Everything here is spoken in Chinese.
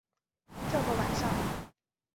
这个晚上